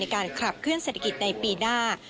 การขับเคลื่อเศรษฐกิจในปีหน้า